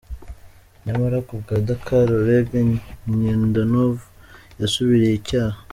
Nyamara ku bwa Dakar, "Oleg Neydanov yasubiriye icyaha".